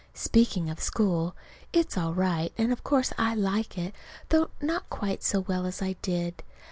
Speaking of school, it's all right, and of course I like it, though not quite so well as I did.